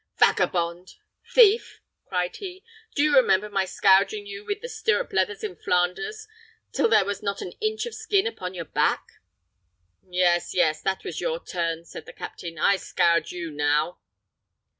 "Vagabond! thief!" cried he, "do you remember my scourging you with the stirrup leathers in Flanders, till there was not an inch of skin upon your back?" "Yes, yes, that was your turn," said the captain; "I scourge you now."